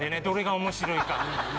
どれが面白いか。